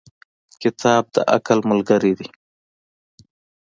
• کتاب د عقل ملګری دی.